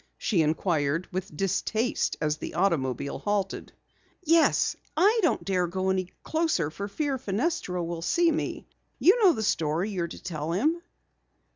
she inquired with distaste as the automobile halted. "Yes, I don't dare go any closer for fear Fenestra will see me. You know the story you're to tell him."